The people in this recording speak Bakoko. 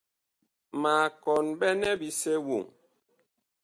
Ma kɔn ɓɛnɛ bisɛ woŋ.